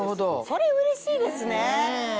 それうれしいですね。